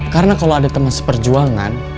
karena kalau ada teman seperjuangan